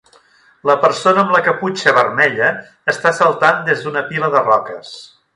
La persona amb la caputxa vermella està saltant des d'una pila de roques.